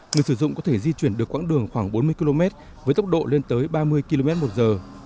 người sử dụng có thể di chuyển được quãng đường khoảng bốn mươi km với tốc độ lên tới ba mươi km một giờ